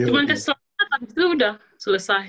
cuma setelah selesai itu udah selesai